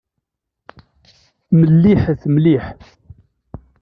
Melliḥet mliḥ.